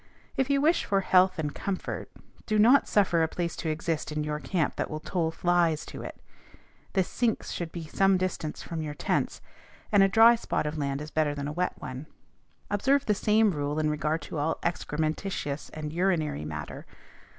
If you wish for health and comfort, do not suffer a place to exist in your camp that will toll flies to it. The sinks should be some distance from your tents, and a dry spot of land is better than a wet one. Observe the same rule in regard to all excrementitious and urinary matter.